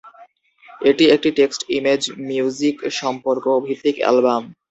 এটি একটি টেক্সট-ইমেজ-মিউজিক সম্পর্ক ভিত্তিক অ্যালবাম।